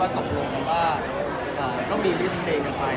เราก็เช้นท์ก็ไม่ได้เอาเช้นท์ของผมไป